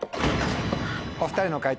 お２人の解答